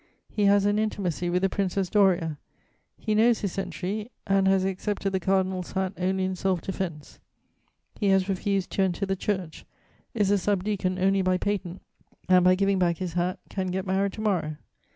He has an intimacy with the Princess Doria; he knows his century, and has accepted the cardinal's hat only in self defense. He has refused to enter the Church, is a sub deacon only by patent, and by giving back his hat can get married to morrow.